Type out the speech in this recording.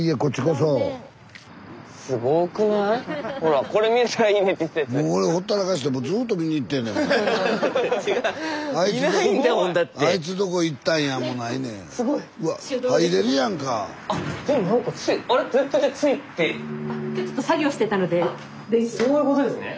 そういうことですね。